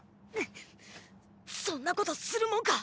そんなことするもんか。